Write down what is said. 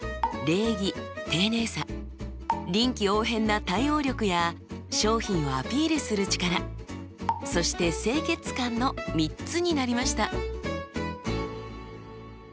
・丁寧さ臨機応変な対応力や商品をアピールする力そして清潔感の３つになりました。